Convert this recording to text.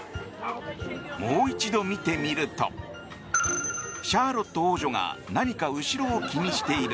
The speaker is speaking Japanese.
もう一度見てみるとシャーロット王女が何か後ろを気にしている。